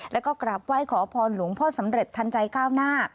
แล้วก็กราบไหว้ขอพรหลวงพ่อสำเร็จทันใจก้าวหน้า